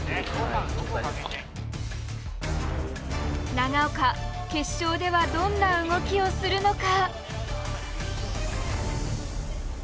長岡決勝ではどんな動きをするのか？